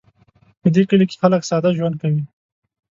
په دې کلي کې خلک ساده ژوند کوي